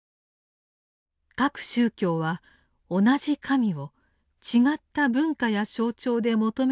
「各宗教は同じ神を違った文化や象徴で求めている」という主張でした。